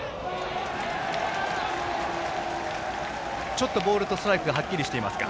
ちょっとボールとストライクがはっきりしていますか。